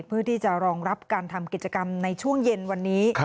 เพื่อที่จะรองรับการทำกิจกรรมในช่วงเย็นวันนี้